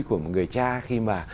của một người cha khi mà